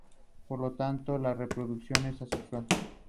Por lo tanto la reproducción es asexual.